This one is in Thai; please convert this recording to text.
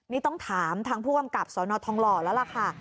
นี่ต้องถามทางผู้กำลับศทรทงหล่อค่ะ